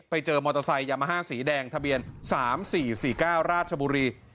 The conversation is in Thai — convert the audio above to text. ไปเจอมอเตอร์ไซค์ยามาฮ่าสีแดงทะเบียน๓๔๔๙ราชบุรี